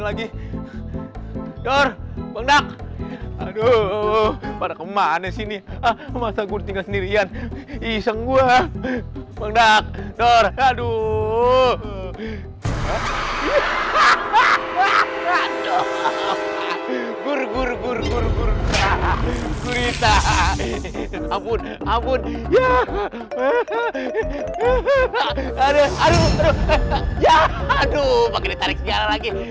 bagaimana tarik segala lagi